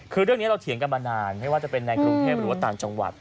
คือเรื่องนี้เราเถียงกันมานานไม่ว่าจะเป็นในกรุงเทพหรือว่าต่างจังหวัด